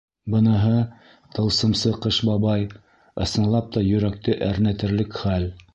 Быныһы, тылсымсы Ҡыш бабай, ысынлап та йөрәкте әрнетерлек хәл.